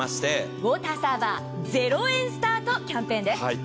ウォーターサーバー０円スタートキャンペーンです。